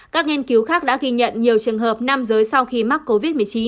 các nghiên cứu khác đã ghi nhận nhiều trường hợp nam giới sau khi mắc covid một mươi chín